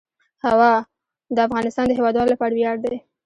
هوا د افغانستان د هیوادوالو لپاره ویاړ دی.